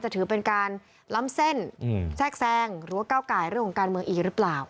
ถือเป็นการล้ำเส้นแทรกแซงหรือว่าก้าวไก่เรื่องของการเมืองอีกหรือเปล่า